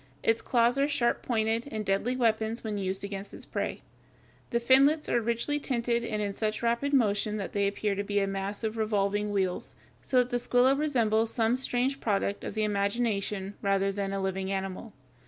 Its claws are sharp pointed, and deadly weapons when used against its prey. The finlets are richly tinted and in such rapid motion that they appear to be a mass of revolving wheels, so that the Squilla resembles some strange product of the imagination rather than a living animal.